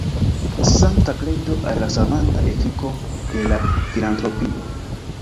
Sankta kredo al la savanta efiko de la filantropio!